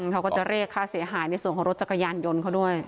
เขาก็จะเรียกค่าเสียหายในส่วนของรถจักรยานยนต์เขาด้วย